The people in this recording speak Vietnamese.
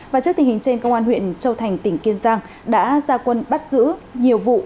và trước tình hình trên công an huyện châu thành tỉnh kiên giang đã ra quân bắt giữ nhiều vụ